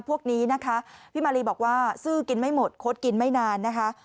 พวกนี้พี่มารีบอกว่าซื่อเก็บไม่หมดโคทก็กินไม่นานนะคะ